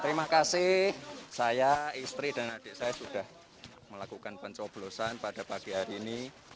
terima kasih saya istri dan adik saya sudah melakukan pencoblosan pada pagi hari ini